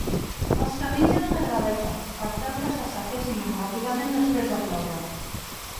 Els camins eren de graveta, per tal que s'assequessin ràpidament després de ploure.